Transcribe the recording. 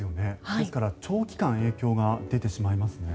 ですから、長期間影響が出てしまいますね。